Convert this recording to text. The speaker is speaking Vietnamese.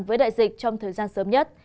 với đại dịch trong thời gian sớm nhất